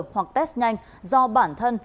hoặc test nhanh do bản thân